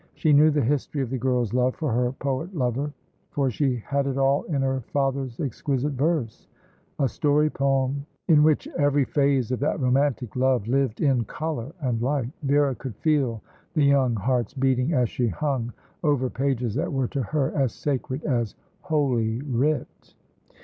She knew the history of the girl's love for her poet lover; for she had it all in her father's exquisite verse; a story poem in which every phase of that romantic love lived in colour and light. Vera could feel the young hearts beating, as she hung over pages that were to her as sacred as Holy Writ.